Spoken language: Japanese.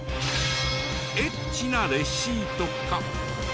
エッチなレシートか？